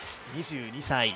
２２歳。